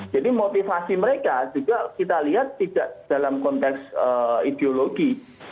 jadi motivasi mereka juga kita lihat tidak dalam konteks ideologi